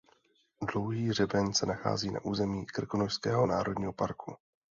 Dlouhý hřeben se nachází na území Krkonošského národního parku.